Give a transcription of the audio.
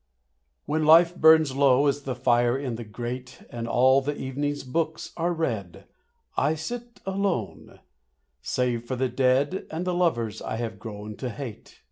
When life burns low as the fire in the grate And all the evening's books are read, I sit alone, save for the dead And the lovers I have grown to hate.